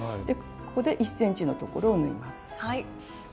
ここで１ｃｍのところを縫います。